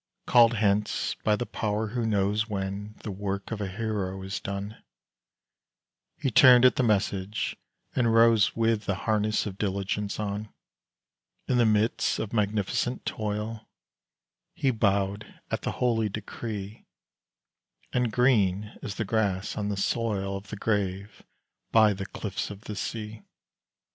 Called hence by the Power who knows When the work of a hero is done, He turned at the message, and rose With the harness of diligence on. In the midst of magnificent toil, He bowed at the holy decree; And green is the grass on the soil Of the grave by the cliffs of the sea.